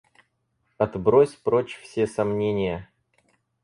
Отбрось прочь все сомнения.